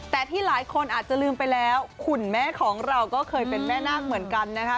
แต่ที่หลายคนอาจจะลืมไปแล้วคุณแม่ของเราก็เคยเป็นแม่นาคเหมือนกันนะคะ